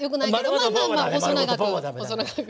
まあまあまあ細長く細長く。